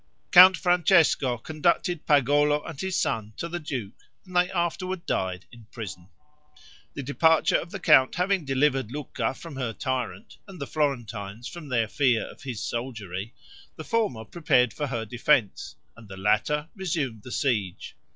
Count Francesco conducted Pagolo and his son to the duke, and they afterward died in prison. The departure of the count having delivered Lucca from her tyrant, and the Florentines from their fear of his soldiery, the former prepared for her defense, and the latter resumed the siege.